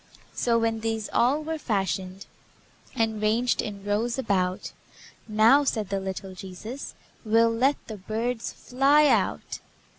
So, when these all were fashioned, And ranged in rows about, "Now," said the little Jesus, "We'll let the birds fly out."